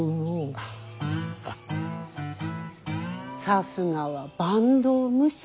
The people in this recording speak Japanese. さすがは坂東武者。